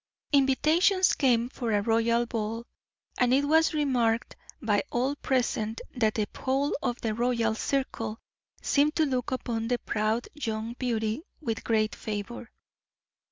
Invitations came for a royal ball, and it was remarked by all present that the whole of the royal circle seemed to look upon the proud young beauty with great favor.